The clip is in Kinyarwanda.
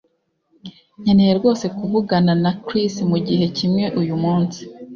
Nkeneye rwose kuvugana na Chris mugihe kimwe uyu munsi